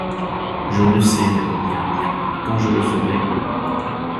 Je ne sais, répondit l’Indien, et quand je le saurais!...